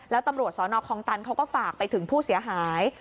แล้วตำรวจสนคลองตันเขาก็ฝากไปถึงผู้เสียหาย